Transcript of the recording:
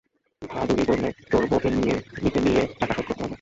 ভাদুড়ি বললে, তোর বউকে নিকে দিয়ে টাকা শোধ করতে হবে।